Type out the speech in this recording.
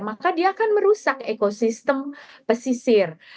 maka dia akan merusak ekosistem pesisir